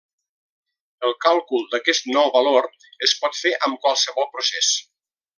El càlcul d'aquest nou valor es pot fer amb qualsevol procés.